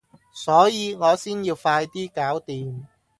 所以我先要快啲搞掂